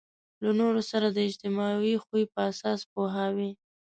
له نورو سره د اجتماعي خوی په اساس پوهوي.